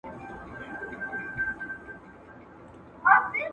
تاسي باید د تمرین پر مهال منظم تنفس وکړئ.